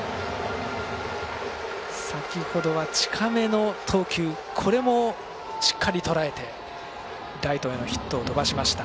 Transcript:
先ほどは、近めの投球これも、しっかりとらえてライトへのヒットを飛ばしました。